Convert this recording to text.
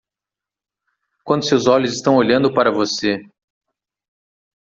Quando seus olhos estão olhando para você